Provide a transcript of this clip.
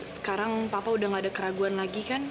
sekarang papa udah gak ada keraguan lagi kan